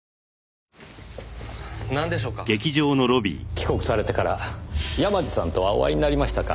帰国されてから山路さんとはお会いになりましたか？